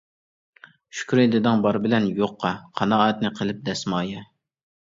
شۈكرى دېدىڭ بار بىلەن يوققا، قانائەتنى قىلىپ دەسمايە.